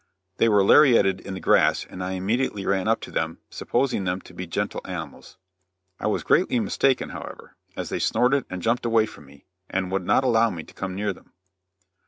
They were lariated in the grass and I immediately ran up to them supposing them to be gentle animals. I was greatly mistaken, however, as they snorted and jumped away from me, and would not allow me to come near them.